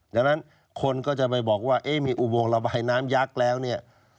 ดังนั้นคนก็จะไปบอกว่าเอ๊ะมีอุโมงระบายน้ำยักษ์แล้วเนี่ย